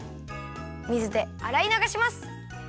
水であらいながします。